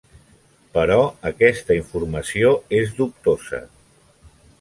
Però aquesta informació és dubtosa.